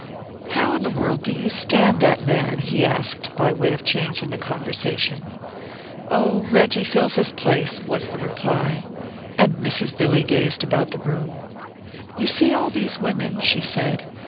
"How in the world do you stand that man?" he asked, by way of changing the conversation. "Oh, Reggie fills his place," was the reply. And Mrs. Billy gazed about the room. "You see all these women?" she said.